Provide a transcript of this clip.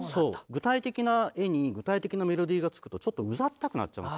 具体的な絵に具体的なメロディーがつくとちょっとうざったくなっちゃう。